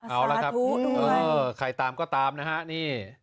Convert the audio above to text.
เอาละครับใครตามก็ตามนะฮะนี่